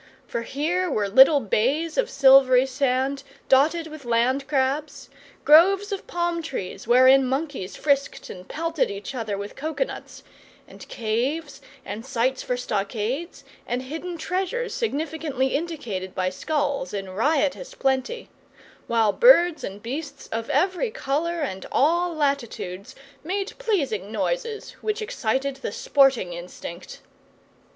For here were little bays of silvery sand, dotted with land crabs; groves of palm trees wherein monkeys frisked and pelted each other with cocoanuts; and caves, and sites for stockades, and hidden treasures significantly indicated by skulls, in riotous plenty; while birds and beasts of every colour and all latitudes made pleasing noises which excited the sporting instinct.